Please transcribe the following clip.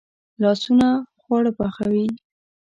لاسونه خواړه پخوي